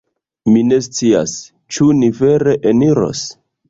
Mi ne scias, ĉu ni vere eniros